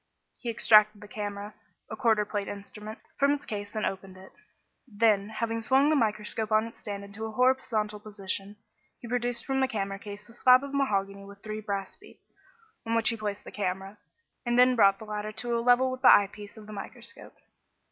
He extracted the camera a quarter plate instrument from its case and opened it. Then, having swung the microscope on its stand into a horizontal position, he produced from the camera case a slab of mahogany with three brass feet, on which he placed the camera, and which brought the latter to a level with the eye piece of the microscope.